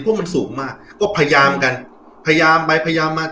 เพราะมันสูงมากก็พยายามกันพยายามไปพยายามมา